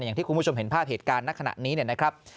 อย่างที่คุณผู้ชมเห็นภาพเหตุการณ์ณขณะนี้เนี่ยนะครับ